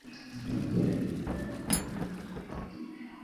kumaliza shule ya sekondari Uchunguzi mmoja ulionyesha kwamba